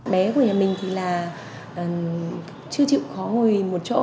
bé của nhà mình thì là chưa chịu khó hồi một chỗ